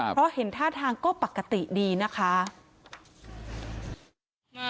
เพราะเห็นท่าทางก็ปกติดีนะคะ